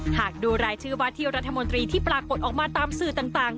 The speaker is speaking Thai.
หากดูรายชื่อวาทิวรัฐมนตรีที่ปรากฏออกมาตามสื่อต่าง